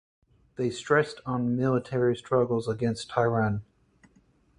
They stressed on military struggles against Tehran.